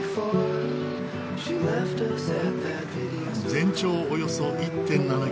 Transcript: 全長およそ１．７キロ。